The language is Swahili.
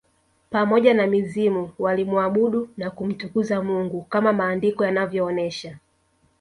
Pamoja na mizimu walimuabudu na kumtukuza Mungu kama maandiko yanavyoonesha